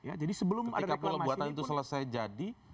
ketika pula buatan itu selesai jadi